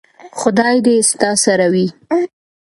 خدای دې ستا سره وي .